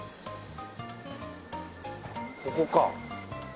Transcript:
ここか。